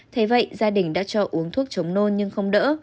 thế vậy gia đình đã cho uống thuốc chống nôn nhưng không đỡ